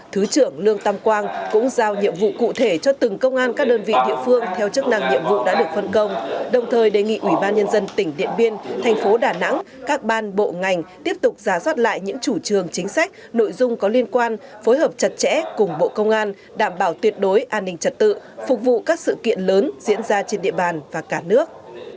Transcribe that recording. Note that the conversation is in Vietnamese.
thứ trưởng lương tâm quang cũng giao nhiệm vụ cụ thể cho từng công an các đơn vị địa phương theo chức năng nhiệm vụ đã được phân công đồng thời đề nghị ủy ban nhân dân tỉnh điện biên thành phố đà nẵng các ban bộ ngành tiếp tục giả soát lại những chủ trường chính sách nội dung có liên quan phối hợp chặt chẽ cùng bộ công an đảm bảo tuyệt đối an ninh trật tự phục vụ các sự kiện lớn diễn ra trên địa bàn và cả nước